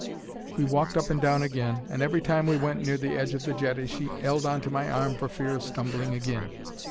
"We walked up and down agin, and every time we went near the edge of the jetty she 'eld on to my arm for fear of stumbling agin.